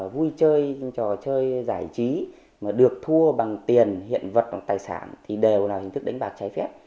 vui chơi trò chơi giải trí mà được thua bằng tiền hiện vật tài sản thì đều là hình thức đánh bạc trái phép